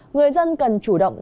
người dân cần chủ động